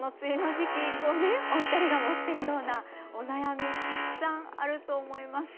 この梅雨の時期お二人が持ってるようなお悩み、たくさんあると思います。